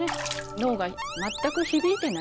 脳が全く響いてない。